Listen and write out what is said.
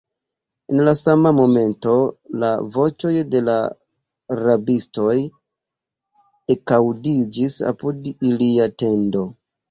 En la sama momento la voĉoj de la rabistoj ekaŭdiĝis apud ilia tendo.